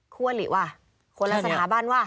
ควรหรือว่ะคนละสถาบันว่ะ